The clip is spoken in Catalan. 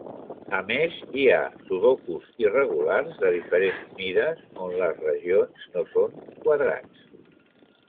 A més hi ha sudokus irregulars de diferents mides on les regions no són quadrats.